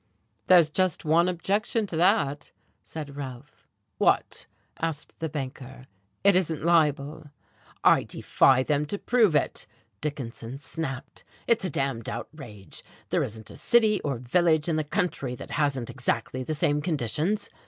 "There's just one objection to that," said Ralph. "What?" asked the banker. "It isn't libel." "I defy them to prove it," Dickinson snapped. "It's a d d outrage! There isn't a city or village in the country that hasn't exactly the same conditions.